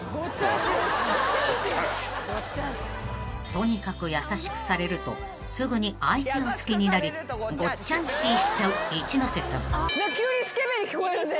［とにかく優しくされるとすぐに相手を好きになり「ごっちゃんし」しちゃう一ノ瀬さん］